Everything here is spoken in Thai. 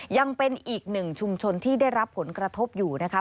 ยังเป็นอีกหนึ่งชุมชนที่ได้รับผลกระทบอยู่นะคะ